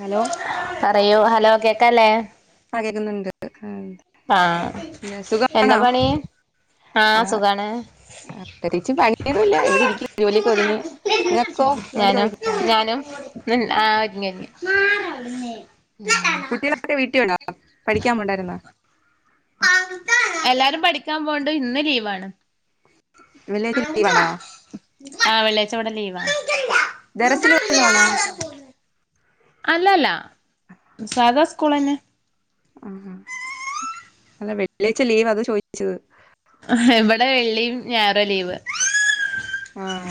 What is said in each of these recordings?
Hello പറയൂ hello കേക്കല്ലേ ആകേകുന്നുണ്ട് ആഹ എന്താ പണി ആഹ് സുഖാണ് പ്രത്യേകിച്ചും പണിയൊന്നുമല്ല എവിടെരിക്ക ജോലിയൊക്കെ ഒതുങ്ങിയ ഇങ്ങക്കോ ജോലി ഒതുങ്ങിയ ഉ ആ ഒരുങ്ങി ഒരുങ്ങി ഉ കുട്ടികളൊക്കെ വീട്ടിൽണ്ട പഠിക്കാൻ പോണ്ടായിരുന്നോ എല്ലാരും പഠിക്കാൻ പോണ്ട ഇന്ന് ലീവാണ് വില്ലേജ് ലീവണോ ആ ദറസില വല്ല ആണോ അല്ലല്ല സാദാ സ്കൂൾ തന്നെ ആ അല്ല വെള്ളിയാഴ്ച ലീവ് അത് ചോദിച്ചത് ഇ വിടെ വെള്ളിയും ഞായറാ ലീവ് ആഹ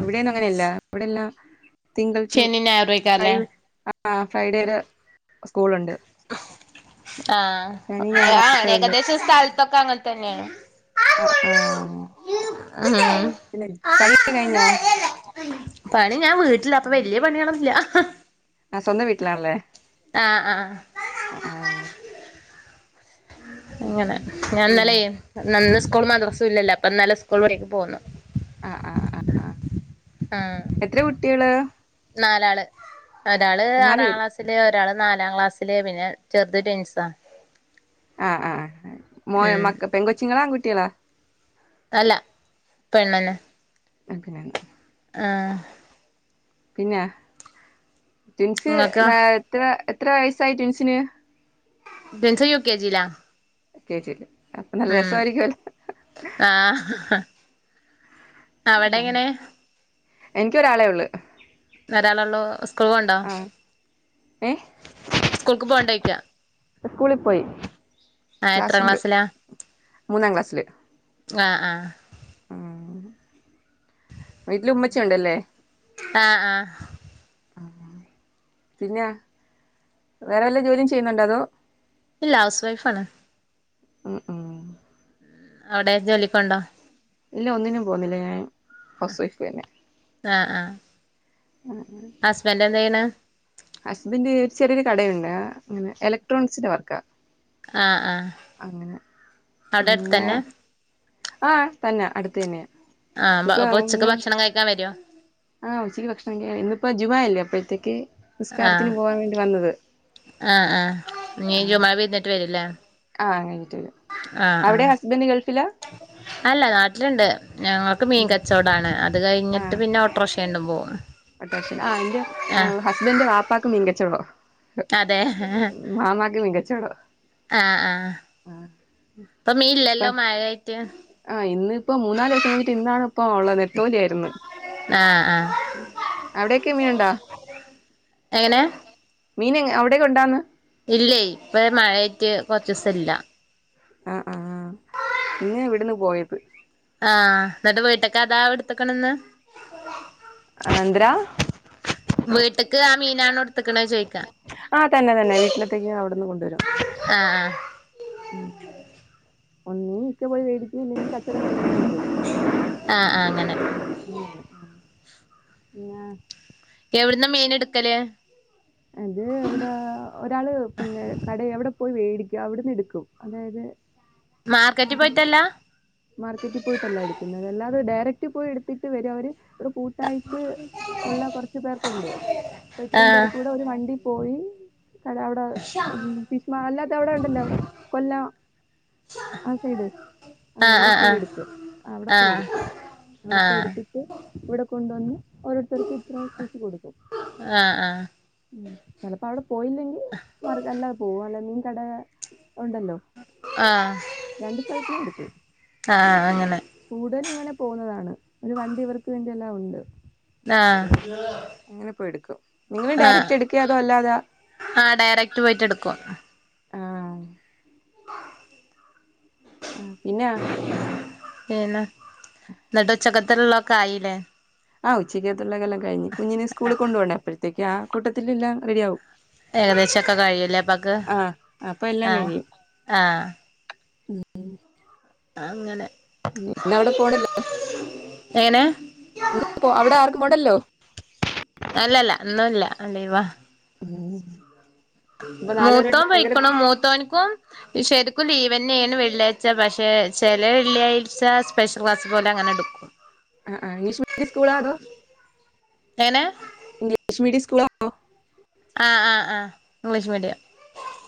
ഇവിടെന്നും അങ്ങനെയല്ല ഇവിടെല്ല തിങ്കിൾ ടു ശനി ഞായറും ഫൈ ആയിക്കാരല്ലേ ഫ്രൈഡേയില സ്കൂളുണ്ട് ആഹ ശനി ഞാൻ ആണ് മാത്രമേ ഉള്ളൂ ഏകദേശം സ്ഥലത്തൊക്കെ അങ്ങനെ തന്നെയാണ് ആ ആ പിന്നെ ആ ആ പണിയൊക്കെ കഴിഞ്ഞാ പണി ഞാൻ വീട്ട്ലാ ഇപ്പൊ വെല്ല്യാ പണിയേളൊന്നുല്യാ ആ സ്വന്ത വീട്ടിലാണല്ലേ? ആഹ അ അ അഹ് അ ആഹ് അങ്ങനെ ഞാൻ പിന്നെ ന്നലെ സ് സ്കൂൾ മദ്രസുല്യാല്ലോ അപ്പം നലേ സ്കൂൾ വഴേക്ക് പോന്ന് ആ ആഹ് അ ആ ആഹ് എത്ര കുട്ടിയേല്? നാലാള് ഒരാള് ആറാം പേര് ക്ലാസ്സില് ഒരാള് ന നാലം ക്ലാസ്സില് പിന്നെ ചെർത്‌ റ്റിൻസാ ആഹ് ആഹ് മോയ് മക്ക പെങ്കോ ച്ചിങ്ങളാ ങ്കുട്ടികളാ? അല്ല പെണ്ണെനെ പിന്നെന്ന [inaudible] ആഹ പിന്നെ റ്റിൻസ് ഇങ്ങക്കോ നേ എത്ര എത് ത്രൈ വയസായി റ്റിൻസിന്? ബൻസ യൂ ക്കേ ജി ലാ കേജി ൽ ഉം ആഹ്ഹ അവിടെ എങ്ങനെ? എനികൊരാളെ ഉള്ള് ഒരാലള്ളൂ സ്കൂൾ പോണ്ടോ? ഏഹ്? സ്കൂൾക്ക് പോവ്ണ്ടോ? യിക്ക സ്കൂളി പോയി എത്രാം ക്ലാസ്സ്ണ്ട് ക്ലാസ്സിലാ മൂന്നാം ക്ലാസ്സില് ആഹ് ആഹ ഉം വീട്ടില് ഉമ്മച്യ്‌ണ്ട് ല്ലേ? ആഹ് ആഹ ആ പിന്നെ വേറെ വല്ല ജോലിയും ചെയ്യുന്നുണ്ടോ അതോ? ഇല്ല ഹൗസ് വൈഫ ആണ്. ഉം ഉം അവിടെ ജോലിക്കൊണ്ടോ? ഇല്ല ഒന്നിനും പോന്നില്ല ഞാൻ ഹൗസ് വൈഫ് തന്നെ ആ ആ ആ ഹസ്ബൻഡ് ചെറിയൊരു കടയുണ്ട് അങ്ങനെ ഇലക്ട്രോണിക്സിന്റെ വർക്ക. ആ ആ അങ്ങനെ ഉം ഞാ ആ തന്നെ അടുത്ത തന്നെയ. ആഹ് ഇപ്പൊ അപ്പൊ ഉച്ചക്ക് ഇ ഭക്ഷണം കഴിക്കാൻ വരോ ആഹ് ഉച്ചിക്ക് ഭക്ഷണംകഴിക്യ ഇന്നിപ്പോ ജുമാല്ലേ. പ്പോഴത്തേക്ക് ആ ആ ആ നീ ചുമാ വരുന്നിട്ട് വരൂല്ലേ ആ കഴിഞ്ഞിട്ട് ആ ആ അവിടെ ഹസ്ബൻഡ് ഗൾഫിലാ അല്ല നാട്ടില്ണ്ട്. ഞങ്ങൾക്ക് മീൻ കച്ചോടാണ് അത് കഴിഞ്ഞിട്ട് പിന്നെ ഓട്ട്രഷേ ഉണ്ടും പോവും ഓട്ടോ റിക്ഷാ ആ എന്റെ ആഹ് ഹസ്ബെന്റെ വാപ്പാക്ക്ക് മീൻകച്ചോട അതെ മാമാക്ക് മീംകചോടോ ആ ആ അപ്പൊ മീ ഇല്ലല്ലോ മഴായിട്ട്? ആ ഇന്ന്പ്പോ മൂന്നാലോസം കഴിഞ്ഞിട്ട് ഇന്നാണ് പ്പോ ഉള്ളത് നെത്തോലി ആയിരുന്. ആ ആ അവിടെയൊക്കേ മീന്ണ്ടാ? എങ്ങനെ മീൻ അവിടെ കൊണ്ടാന്ന്? ഇല്ലേയ് ഇപ്പ മഴയായിട്ട് കൊറച്ചീസം ഇല്ല ആ ആ പിന്നെ ഇവിടുന്ന് പോയത് ആ ന്നിട്ട് വീട്ട്ക്ക് അതാ എടുത്തക്കണന്ന് അത് എതന്ത്ര മീനാ ആ തന്നെ തന്നെ വീട്ടിലത്തേക്ക് അവിടെന്ന് കൊണ്ടുവരും ആഹ് ഉം ഒന്നീ ഇക്ക പോയി വരും ല്ലെങ്കിൽ കച്ചോടം കഴിയുമ്പോ കൊണ്ടുവരും ആഹ് ആഹ് ആഹ് അങ്ങനെ അങ്ങനെയാണ് ങ്ങാ എവിടുന്നാ മീൻ എടുക്കൽ അത് ഇവിടെ ഒരാള് പിന്നെ കട എവിടെ പോയി വേടിക്കും അവിട്ന്ന് എടുക്കും അതായത് മാർക്കറ്റ് ഇവിടെ പോയിട്ടല്ല മാർക്കറ്റിൽ പോയിട്ടല്ല എടുക്കുന്നത് അല്ലാതെ ഡയറക്റ്റ് പോയി എടുത്തിട്ട് വരോ അവര് ഒരു കൂട്ടായിട്ട് ഉള്ള കുറച്ചു പേർക്കുണ്ട് അപ്പൊ ഇത്രയും ആഹ് പേർ കൂടെ ഒരു വണ്ടി പോയി അല്ല അവിടെ ഫിഷ്മ അല്ലാത്ത അവിടെ ഉണ്ടല്ലോ കൊല്ലം ആഹ് സൈട് അവിടെ പോയി ആഹ് എടുക്കും അവിടെ ആഹ് പോയി ആഹ് എടുക്കും അവിടെ പോയി ആഹ് എടുത്തിട്ട് ഇവിടെ കൊണ്ടുവന്ന് ഓരോരുത്തർക്കും ഇത്ര വച്ച് കൊടുക്കും ആഹ് ആഹ് ചിലപ്പോ അവിടെ പോയില്ലെങ്കി മാർഗ അല്ലാതെ പോകും അല്ല മീൻ കട ഉണ്ടല്ലോ ആഹ് ആഹ് രണ്ട് സ്ഥലതിന്നും എടുക്കും ആഹ് അങ്ങനെ കൂടുതൽ ഇങ്ങനെ പോകുന്നതാണ് ഒരു വണ്ടി ഇവർക്ക് വേണ്ടിയ എല്ലാം ഉണ്ട് ആഹ് അങ്ങനെ പോയി എടുക്കും നിങ്ങൾ ഡയറക്ട് പോയി എടുക്കെ അതോ അല്ലാതാ ആ ഡയറക്ട് പോയിട്ട് എടുക്കും ആ ഉ ആ പിന്നാ പിന്നെ എന്നിട്ട് ഉച്ചക്കത്തിള്ളൊക്കെ ആയിലെ ആ ഉച്ചയ്ക്കത്തുള്ളതെല്ലാം കഴിഞ്ഞ് കുഞ്ഞിന് സ്സ്കൂളിൽ കൊണ്ടു പോവണ്ടേ അപ്പോഴത്തേക്ക് ആ കൂട്ടത്തിലല്ലാം റെഡിയാവും ഏകദേഷോക്കെ കഴില്ലേപ്പക് ആഹ് അപ്പൊ അ ആ ഉം അങ്ങനെ ഇന്ന് അവിടെ പോണ്ടല്ലോ എങ്ങനെ നി പോ അവിടെ ആർക്കും പോണ്ടല്ലോ [unintelligible] അല്ലല്ല ഇന്നുല്ല ലീവാ ഉം മൂത്തോൻ പോയിക്കണ് മൂത്തോന്ക്കും ശരിക്കും ലീവ്ന്നെയാണ് വെള്ളിയാഴ്ച പക്ഷെ ചെല വെള്ളിയാഴ്ച സ്പെഷ്യൽ ക്ലാസ് പോലെ നടു ആ ആ ഇംഗ്ലീഷ് മീഡിയം സ്കൂളാ അതോ ഏങ്ങനെ ഇംഗ്ലീഷ് മീഡിയം സ്കൂളാണെ ആആആഇംഗ്ലീഷ് മീഡിയം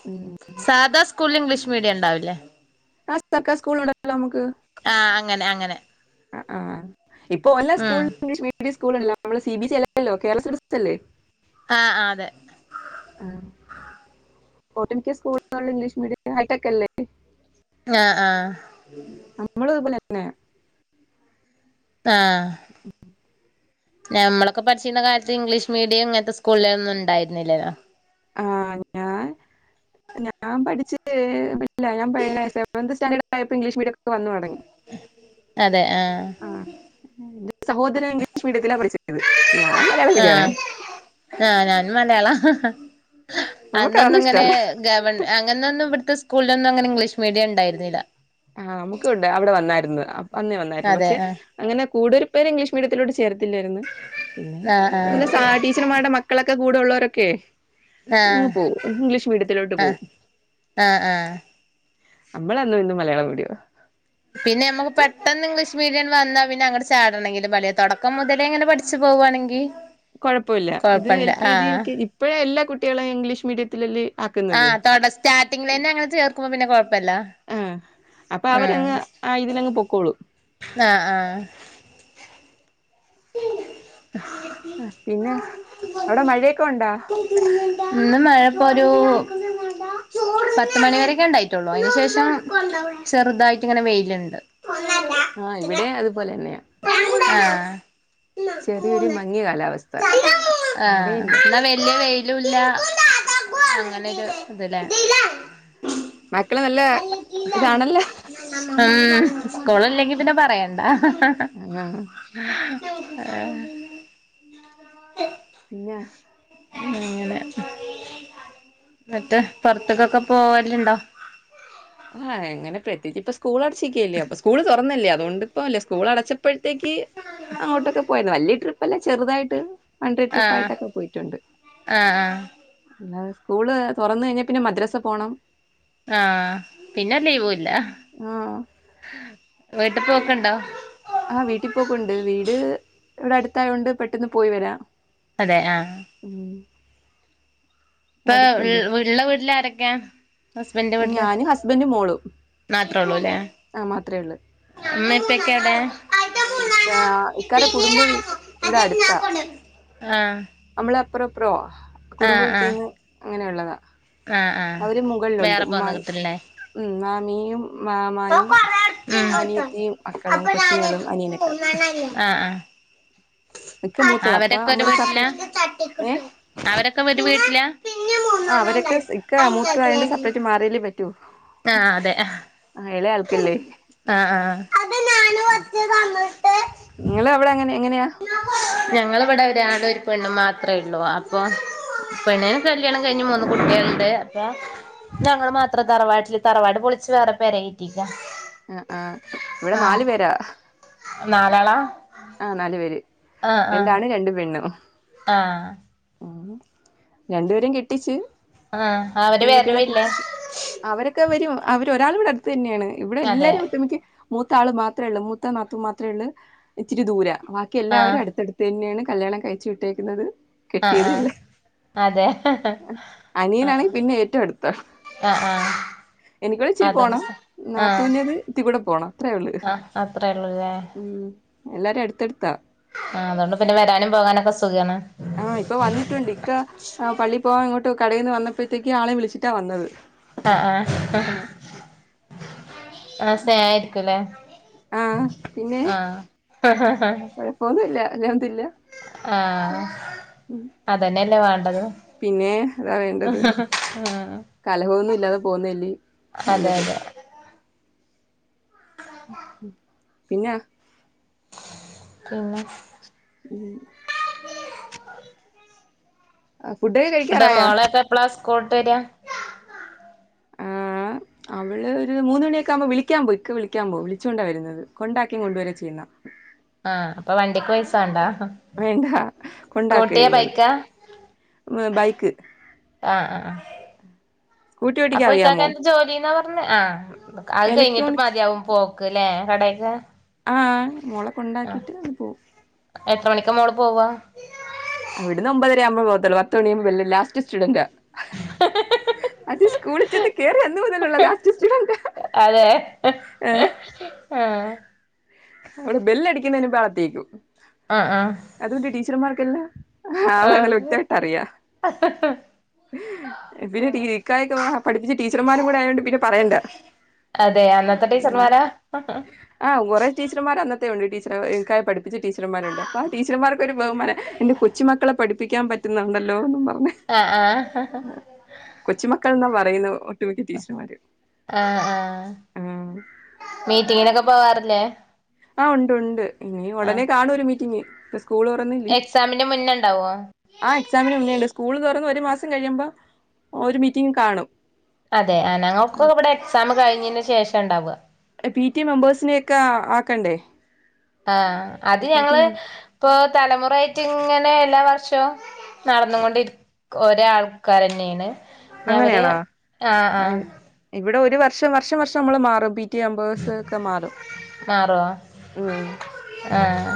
ഉം. സാദാ സ്കൂളിൽ ഇംഗ്ലീഷ് മീഡിയ ഇണ്ടാവില്ലേ അ സർക്കാ സ്കൂളിൽ ഉണ്ടല്ലോ നമുക്ക് ങ്ങനെ അങ്ങനെ ആ ആ ഇപ്പോ ഓലെ ഉം സ്കൂൾ ഇംഗ്ലീഷ് മീഡിയം സ്കൂൾ സ്കൂളല്ല നമ്മള് സി ബി സി അല്ലല്ലോ കേരള സിലബസ് അല്ലെ ആ ആ അതെ ഒട്ടുമിക്കെ സ്കൂളുകളിൽ ഇംഗ്ലീഷ് മീഡിയം ഹൈടെക് അല്ലേ ആ ആ നമ്മൾ ഇതുപോലെന്നെ ആ ഞമ്മളൊക്കെ പഠിച്ചിരുന്ന കാലത്ത് ഇംഗ്ലീഷ് മീഡിയം ഇങ്ങനത്തെ സ്കൂളുകളിലതൊന്നും ഉണ്ടായിരുന്നില്ലല്ലോ. ആ ഞാ ഞാൻ പഠിച്ച് ഏ ല്ലെ ഞാൻ സെവൺത്ത് സ്റ്റാൻഡേർഡ് ആയപ്പോ ഇംഗ്ലീഷ് മീഡിയം ഒക്കെ വന്നു തുടങ്ങി അതെ ആഹ് ആ സഹോദരൻ ഇംഗ്ലീഷ് മീഡിയത്തിലാ പഠിച്ചത്. ഞാൻ മലയാളം ആ മീഡിയമാണ് ആ ഞാൻ മലയാളാ ഹ ഹ നമുക്ക് അതൊന്നും അന്നൊന്നുങ്ങനെ ഇഷ്ടമല്ല ഗവൺ അങ്ങനൊന്നും ഇവ ടത്തെ സ്കൂളിലൊന്നും അങ്ങനെ ഇംഗ്ലീഷ് മീഡിയം ഉണ്ടായിരുന്നില്ല. വന്നേ വന്നായിരുന്നു. അതെ പക്ഷെ ആഹ് അങ്ങനെ കൂടുതൽ പേരും ഇംഗ്ലീഷ് മീഡിയത്തിലോട്ട് ചേർത്തില്ലായിരുന്നു. പിന്നെ ആഹ് വല്ല സ ടീച്ചർമാരുടെ മക്കളൊക്കെ കൂടെ ഉള്ളവരൊക്കെ ആഹ് ഇന്ന് ആഹ് പോവും. ഇംഗ്ലീഷ് മീഡിയത്തിലോട്ട് പോവും. ആഹ് ആഹ് ആഹ് നമ്മളന്നും ഇന്നും മലയാളം മീഡിയാ. പിന്നെ നമുക്ക് പെട്ടന്ന് ഇംഗ്ലീഷ് മീഡിയം വന്നാ പിന്നെ അങ്ങട് ചാടണെങ്കിലും പറ്റില്ല. തുടക്കം മുതലേങ്ങനെ പഠിച്ചു പോ പോവാണെങ്കി കുഴപ്പോല്ല ഇത് എൽ കൊഴപ്പല്ല കെ ജി, യു ആഹ് കെ ജി ഇപ്പഴാ എല്ലാ കുട്ടികളേം ഇംഗ്ലീഷ് മീഡിയത്തിലല് ആ തൊട സ്റ്റാർട്ടിങ്ങിലന്നെ അങ്ങനെ ചേർക്കുമ്പോ പിന്നെ കൊഴപ്പല്ല. ആഹ് അപ്പൊ അവരങ്ങ് ആ ഇതിലങ്ങ് പൊക്കോളും. ആ ആ [unintelligible] അ പിന്നെ അവിടെ മഴയൊക്കെ ഉണ്ടാ ഇന്നും മഴ ഇപ്പോ ഒരു പത്തുമണി വരൊക്കെ ഉണ്ടായിട്ടുള്ളൂ. അതിന് ശേഷം ചെറുതായിട്ട് ഇങ്ങനെ വെയിലുണ്ട്. ആ ഇവിടേം അതുപോലെ തന്നെയാ ആ ചെറിയൊരു മങ്ങിയ കാലാവ ആ എന്നാ വ ല്യ വെയിലൂല്ല അങ്ങനെരു ഇത് ല്ലേ മക്കള് നല്ല ഇതാണല്ലോ ആസ്കൂളല്ലെങ്കി പിന്നെ പ പറയണ്ട അങ്ങാ ആ ആ പിന്നെ അങ്ങനെ എന്നിട്ട് പുറത്തക്കൊക്കെ പോവലുണ്ടോ. ആ എങ്ങനെ പ്രത്യേകിച്ച് ഇപ്പ സ്കൂൾ അടച്ചിയേക്കല്ലേ അപ്പ സ്കൂള് തുറന്നല്ലേ. അതുകൊണ്ട് ഇപ്പോല്ല. സ്കൂൾ അടച്ചപ്പഴ് ത്തേക്ക് അങ്ങോട്ടൊക്കെ പോയേരുന്നു. വലിയ ട്രിപ്പല്ലേ ചെറുതായിട്ട് വൺഡേ ആഹ് ട്രിപ്പായിട്ടൊക്കെ പോയിട്ടുണ്ട്. ആഹ് ആഹ് അല്ല സ്കൂള് തുറന്ന് കഴിഞ്ഞാ പിന്നെ മദ്രസ പോണം. ആ പിന്നെ ലീവൂല്ല. ആ വീട്ടിപ്പോക്കുണ്ടോ? ആ വീട്ടിൽപ്പോക്കുണ്ട് വീട് ഇവിടെ അടുത്തായോണ്ട് പെട്ടെന്ന് പോയി വരാം. അതെ ആ ഉം ഇപ്പൊ അടുത്തല്ലേ ഉള്ള ഉള്ള വീട്ടില് ആരൊക്കെയാ? ഹസ്ബൻഡിന്റെ വീട്ടില് ഞാന് ഹസ്ബൻഡും മോളും മാത്രേ ഉള്ളൂ അല്ലേ ആഹ് മാത്രേ ഉള്ളൂ ഉമ്മേം ഉപ്പേംക്കെ എവിടെ? ഇക്ക ഇക്കാടെ കുടുംബം ഇവിടെ അടുത്താ ആഹ് നമ്മൾ അപ്പൊറോ ഇപ്പൊറാ കുടുംബ ആഹ് ആഹ് വീട്ടീന്ന് അങ്ങനെയുള്ളതാ. ആഹ് ആഹ് അവര് മുകളിലുണ്ട് വേറെ മാ പോന്ന കിട്ടല്ലേ മ്. മ്മിയും മാമായും ഉം അനിയത്തിയും മക്കളും കൊച്ചുങ്ങളും. അനിയനൊക്കെ ആഹ് ആ. ഇക്ക മൂത്തതാ അപ്പൊ അവരൊക്കൊരു നമ്മള് വീട്ടിലാ സെപ്പറേറ്റ് അവരൊക്കെ ഒരു വീട്ടിലാ? ആ അവരൊക്കെ ഇക്ക മൂത്തതായണ്ട് സെപ്പറേറ്റ് മാറിയേലേ പറ്റു. ആ അതെ. ആൾക്കല്ലേ ആ ആ. നിങ്ങള് അവിടെങ്ങനെ? ഞങ്ങളവിടെ ഒരാണ് ഒരു പെണ്ണ മാത്രേള്ളൂ അപ്പൊ. പെണ്ണിന് കല്യാണം കഴിഞ്ഞ് മൂന്ന് കുട്ടിള്ണ്ട് അപേ ഞങ്ങൾ മാത്രം തറവാട്ടില് തറവാട് പൊളിച്ച് വേറെ പേരെറ്റി. ആ ആ ഇവിടെ നാലു പേരാ. നാലാളാ? രണ്ടാണ് രണ്ട്പെണ്. ആ. മ് രണ്ടു പേരും കെട്ടിച്ചു. ആഹ് അവര് വരവില്ലേ പെൺകുട്ടികളൊക്കെട്ടിച്ചു അവരൊക്കെ വരു അവര് ഒരാളവിടെടുത്തന്നെണ് ഇവിടെ അതെ ല്ലാരും ഒട്ടുമിക മൂത്ത ആൾ മാത്രേള്ളൂ മൂത്ത നാതു മാത്രേള്ളൂ ഇിത്തിരി ദൂരം ആഹ് ബാക്കില്ലാവരും അടുത്തടുത്തന്നെണ്. കല്ല്യാണം കഴിച്ചു വിട്ടേക്കുന്നത് ആഹ് ആഹ് കെട്ടിയതല് അതെ ആഹ് അനിയനാണെങ്കിൽ പിന്നെ ഏറ്റവും അടുത്ത. ആഹ് ആഹ് എനിക്കടെ ഇച്ചിരി അതോണ്ട് പോണം ആഹ് നാതൂഞ്ഞത് ഇത്തികൂടെ പോണം അത്രേള്ളു ആഹ് അത്രേ ഉള്ളൂല്ലേ മ്. എല്ലാരും അടുത്തെടുത്ത. ആ അതുകൊണ്ട് ന്നെ വരാനും പോകാനൊക്കെ സുഖാണ്. ആഹ് ഇപ്പൊ വന്നിട്ടുണ്ട് ഇക്ക പള്ളി പോവാൻ ങ്ങോട്ടോ കടയിന്ന് വന്നി ന്നപ്പോത്തേക്ക് ആളെ വിളിച്ചിട്ടാ വന്നത്. ആ ആ ഹാ. ആ ആ സേയിരിക്കുല്ലേ ആ പിന്നെ ആഹ. കൊഴപ്പൊന്നുല്ല അൽഹംദുലില്ലാ ആഹ അതന്നെല്ലേ വാണ്ടത്. പിന്നെ അതാ വേണ്ടത് കലഹമൊന്നും ല്ലാതെ പോന്നല്ലേ. അതെ അതെ. പിന്നെ? പിന്നെ? ഫുഡൊക്കെ കഴിക്കാറായോ മോളൊക്കെപ്ലാ സ്കൂള്ട്ടര? ആ. അവള് ഒരു മൂന്നമണിയൊക്കെവുമ്പോ വിളിക്കാൻ പോയി ഇക്ക വിളിക്കാൻ പോവും വിളിച്ചോണ്ട വരുന്നത് കൊണ്ടാക്കി കൊണ്ടുവര ചെയ്യുന്ന ആ അപ്പൊ വണ്ടിക്ക് പൈസണ്ടാ? വേണ്ടാ കൊണ്ടാക്കയ്യുന്നത്. ബൈക്കാ മ് ബൈക്ക്. സ്കൂട്ടി ഓട്ടിക്കാൻ അറിയാമോ അപ്പൊക്കാക്കെന്ത് ജോലിന്ന പറ പിന്നെ ആ അത് കഴിഞ്ഞിട്ട് ഇലക്ട്രോണിക്സ് മതിയാവും പോക്ക് ല്ലേ കടെക്ക്? ആ മോളക്കൊണ്ടാക്കിട്ട് അത് പോവും. എത്ര മണിക്ക മോള് പോവാ? അവിടുന്ന് ഒമ്പരകുമ്പോ പോവത്തൊള്ളൂ പത്തമണിയുമ്പോ ബെൽ ലാസ്റ്റ് സ്റ്റുഡന്റ. അത് സ്‌കൂളി ചെന്ന്കേറി അന്ന മുതലുള്ള ലാസ്റ്റ് സ്റ്റുഡന്റ. ഹാ. വിടെ ബെല്ലടിക്കുന്നതിന് മുമ്പത്തേക്കും. ആഹ് ആഹ് അതുകൊണ്ടി ടീച്ചർമാർക്കല്ല ആളെ നല്ല ആഹ് വ്യക്തായിട്ട് അറിയാ. പിന്നെ ടീ ഇക്കാക്കെ പഠിപ്പിച്ച ടീച്ചർമാരും കൂടെ ആയൊണ്ട് പിന്നെ പറയണ്ട. അതെ അന്നത്തെ ഉം ടീച്ചർമാരാ ആഹ് ആ കുറെ ടീച്ചർമാർ അന്നത്തേ ഉണ്ട് എനിക്കായി പഠിപ്പിച്ച ടീച്ചർമാരുണ്ട് അപ്പ ടീച്ചർമാർക്കൊരു ബഹുമാനം എന്റെ കൊച്ചുമക്കളെ പഠിപ്പിക്കാൻ പറ്റുന്നുണ്ടല്ലോന്ന് പറഞ്ഞ് ആ ആ മക്കള്ന്ന പറയുന്നെ ഒട്ടുമിക്ക ടീച്ചർമാര് ആ ആ ആഹ് മീറ്റിങ്ങിനൊക്കെ പോവാറില്ലേ ആ ഉണ്ട് ഉണ്ട് ഇനി ആഹ് ഉടനെ കാണും ഒരു മീറ്റിംഗ് സ്കൂള് തുറന്നില്ലേ എക്സാമിന്റെ മുന്നേ ഉണ്ടാവോ ആ എക്സാമിന് മുന്നേ ഇണ്ട് സ്കൂള് തുറന്ന് വെ ഒരു മാസം കഴിയുമ്പോ ഒരു മീറ്റിംഗ് കാണും അതെ ആ ഞങ്ങൾക്ക് ഇവിടെ എക്സാം കഴിഞ്ഞന് ശേഷം ഉണ്ടാവ പി ടി എ മെമ്പേഴ്സിനെ ഒക്കെ ആക്കണ്ടേ ആ അത് പി ടി ഞങ്ങള് മ ഇപ്പൊ തലമുറായിട്ടും ഇങ്ങനെ എല്ലാ വർഷവും പോ നടന്നുകൊണ്ടിരിക്ക ഒരേ ആൾക്കാര് തന്നെയാണ് ഞ് അവര് അങ്ങനെയാണോ ആ ആ ഇവിടെ ഒരു വർഷം വർഷം വർഷം നമ്മൾ മാറും പി മെംബേഴ്‌സ് ഒക്കെ മാറും മാറുവോ ഉം ആഹ്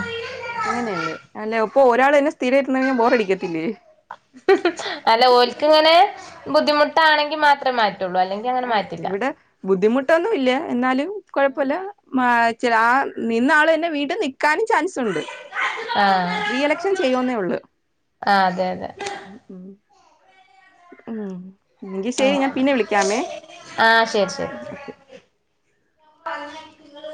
അങ്ങനെയണ്ട് അല്ലെ ഇപ്പൊ ഒരാൾ തന്നെ സ്ഥിരമായിരുന്ന ബോറടിക്കത്തില്ലേ അല്ല ഓല്ക്ക് ഇങ്ങനെ ബുദ്ധിമുട്ടാണെങ്കി മാത്രേ മാറ്റ റ്റുള്ളൂ അല്ലെങ്കി അങ്ങനെ മാറ്റില്ല ഇവിടെ [unintelligible] എന്നാലും കുഴപ്പല്ല മാ ചില ആ നിന്നാള് തന്നെ വീണ്ടും നിക്കാനും ചാൻസ് ഉണ്ട് ആഹ് റീ എലക്ഷൻ ചെയ്യന്നേ ഉള്ളൂ ആഹ് അതെ അതെ ഉം എങ്കി ശെരി ഞാൻ അങ്ങനെ പിന്നെ വിളിക്കാമേ ഓകെ പറഞ്ഞ നിങ്ങള്